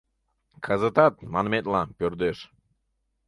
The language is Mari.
Кызытат, манметла, пӧрдеш.